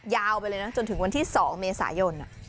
ยาวไปเลยนะจนถึงวันที่๒เมษายน